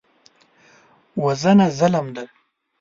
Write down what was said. وژنه ظلم دی